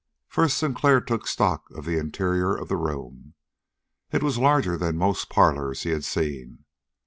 First Sinclair took stock of the interior of the room. It was larger than most parlors he had seen.